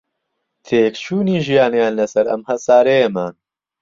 تێکچوونی ژیانیان لەسەر ئەم هەسارەیەمان